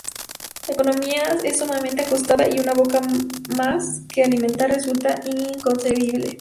La economía es sumamente ajustada, y una boca más que alimentar resulta inconcebible.